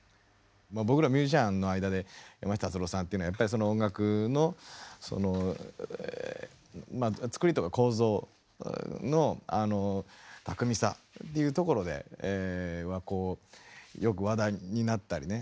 僕らミュージシャンの間で山下達郎さんっていうのはやっぱりその音楽のそのまあ作りとか構造の巧みさというところではよく話題になったりね